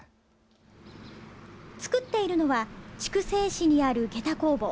作っているのは筑西市にあるげた工房。